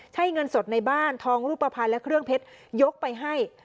ใช่เงินสดในบ้านทองรูปภัณฑ์และเครื่องเพชรยกไปให้